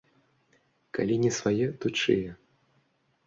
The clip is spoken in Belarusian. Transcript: Калі не свае, то чые?